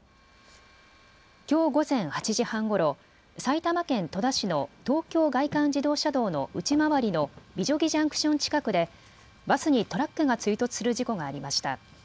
きょう午前８時半ごろ、埼玉県戸田市の東京外環自動車道の内回りの美女木ジャンクション近くでバスにトラックが追突する事故がありました。